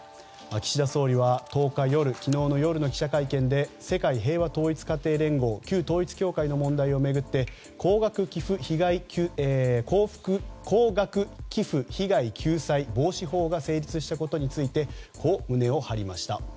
岸田総理は１０日夜の記者会見で世界平和統一家庭連合・旧統一教会の問題を巡って高額寄付被害救済・防止法が成立したことについてこう胸を張りました。